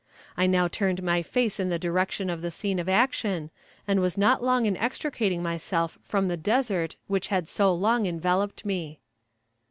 I now turned my face in the direction of the scene of action, and was not long in extricating myself from the desert which had so long enveloped me.